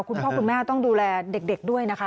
คุณพ่อคุณแม่ต้องดูแลเด็กด้วยนะคะ